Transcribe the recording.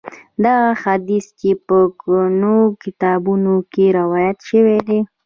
دغه حدیث چې په ګڼو کتابونو کې روایت شوی دی.